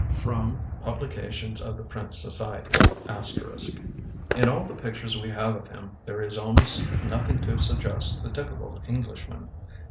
[Sidenote: Publications of the Prince Society. *] "In all the pictures we have of him, there is almost nothing to suggest the typical Englishman.